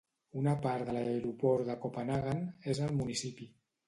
Una part de l'Aeroport de Copenhaguen és al municipi.